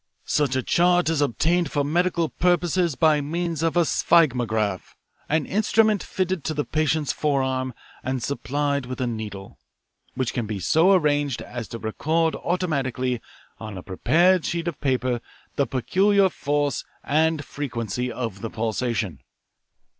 Such a chart is obtained for medical purposes by means of a sphygmograph, an instrument fitted to the patient's forearm and supplied with a needle, which can be so arranged as to record automatically on a prepared sheet of paper the peculiar force and frequency of the pulsation.